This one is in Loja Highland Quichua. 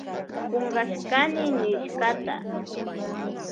Kunkashkani nishkata.